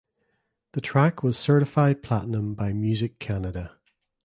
The track was certified Platinum by Music Canada.